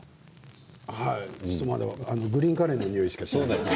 グリーンカレーのにおいしかしないです。